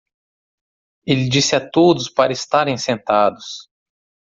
Ele disse a todos para estarem sentados.